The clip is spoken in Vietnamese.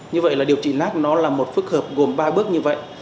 như vậy là điều trị lắc nó là một phức hợp gồm ba bước như vậy